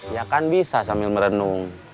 ya kan bisa sambil merenung